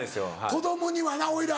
子供にはな俺ら。